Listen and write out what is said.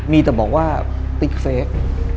มีแต่บอกว่าติ๊กเซ๊ก